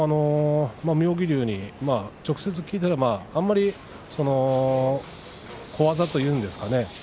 妙義龍に直接、聞いたら小技というんでしょうかね